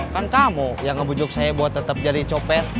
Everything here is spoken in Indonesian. kan kamu yang ngebujuk saya buat tetap jadi copet